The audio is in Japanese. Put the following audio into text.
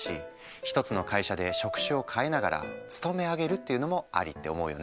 １つの会社で職種を変えながら勤め上げるっていうのもありって思うよね。